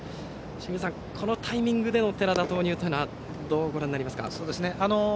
清水さん、このタイミングでの寺田の投入というのはどうご覧になりますか。